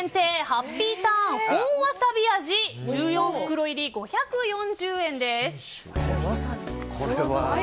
ハッピーターン本わさび味１４袋入り５４０円です。